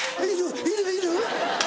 「いるいる」